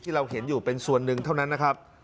เราเห็นอยู่เป็นส่วนหนึ่งเท่านั้นนะครับ